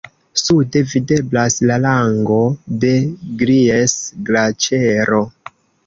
Sude videblas la lango de Gries-Glaĉero.